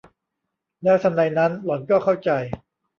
แล้วทันใดนั้นหล่อนก็เข้าใจ